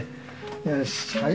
よしはい。